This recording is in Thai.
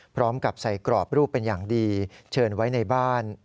พร้อมกับใส่กรอบรูปเป็นอย่างดีเชิญไว้ในบ้าน